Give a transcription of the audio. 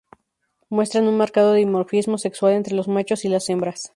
Muestran un marcado dimorfismo sexual entre los machos y las hembras.